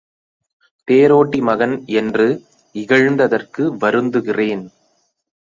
தேரோட்டி மகன் என்று இகழ்ந்ததற்கு வருந்துகிறேன்.